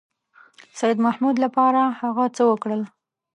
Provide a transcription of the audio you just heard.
سیدمحمود لپاره هغه څه وکړل.